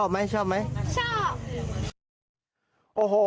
โอ้โหชอบไหมชอบไหมชอบ